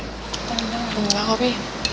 enggak enggak enggak kopi